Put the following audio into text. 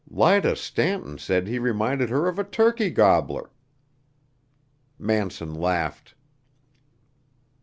Lida Stanton said he reminded her of a turkey gobbler." Manson laughed.